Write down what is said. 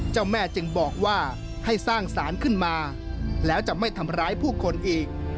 เจ้าแม่จึงบอกว่าให้สร้างสารขึ้นมาแล้วจะไม่ทำร้ายผู้คนอีก